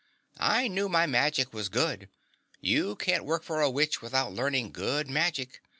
"I knew my magic was good. You can't work for a witch without learning good magic.